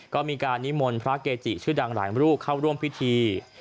ก็มีการนิมนต์พระเกจิชื่อดังหลายรูปเข้าร่วมพิธี